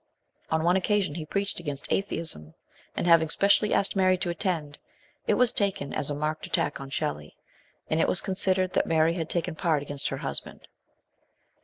On one occasion he preached against Atheism, and, having specially asked Mary to attend, it was taken as a marked attack on Shelley, and it was considered that Mary had taken part against her husband.